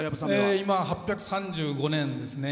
今、８３５年ですね。